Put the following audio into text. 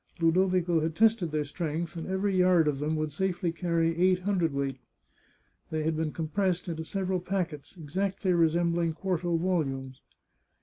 Ludovico had tested their strength, and every yard of them would safely carry eight hundredweight. They had been compressed into several packets, exactly resembling quarto volumes.